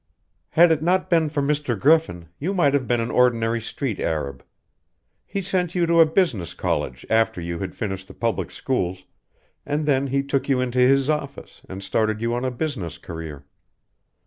"Had it not been for Mr. Griffin you might have been an ordinary street Arab. He sent you to a business college after you had finished the public schools, and then he took you into his office and started you on a business career.